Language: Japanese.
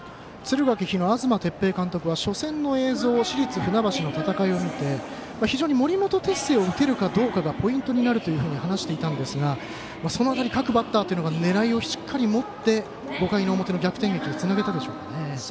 敦賀気比の東哲平監督は初戦の映像を市立船橋の戦いを見て非常に森本哲星を打てるかどうかポイントになると話していたんですがその辺り、各バッターが狙いをしっかり持って５回の表の逆転劇につなげたでしょうか。